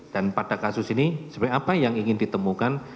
dan pada kasus ini sebenarnya apa yang ingin ditemukan